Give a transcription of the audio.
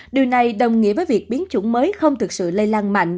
điều này đồng nghĩa với việc biến chủng mới không thực sự lây lan mạnh